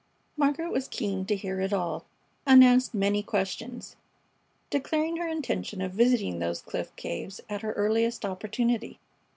Margaret was keen to hear it all, and asked many questions, declaring her intention of visiting those cliff caves at her earliest opportunity.